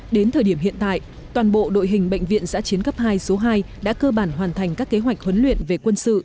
đến thời điểm hiện tại toàn bộ đội hình bệnh viện giã chiến cấp hai số hai đã cơ bản hoàn thành các kế hoạch huấn luyện về quân sự